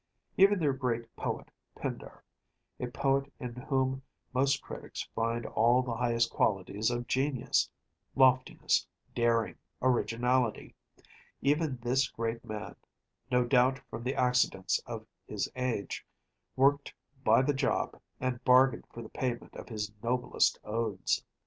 Even their great poet, Pindar, a poet in whom most critics find all the highest qualities of genius‚ÄĒloftiness, daring, originality‚ÄĒeven this great man‚ÄĒno doubt from the accidents of his age‚ÄĒworked by the job, and bargained for the payment of his noblest odes.